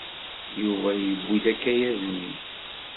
Yuba yewwi-d akayad-nni.